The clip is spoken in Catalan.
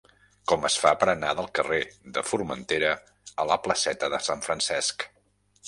Com es fa per anar del carrer de Formentera a la placeta de Sant Francesc?